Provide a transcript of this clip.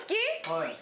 はい。